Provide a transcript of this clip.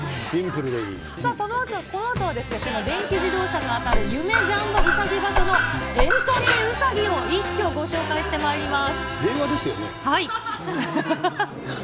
さあ、このあとは電気自動車が当たる夢・ジャンボうさぎ場所のエントリーうさぎを一挙ご紹介してまいります。